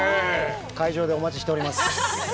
会場でお待ちしております。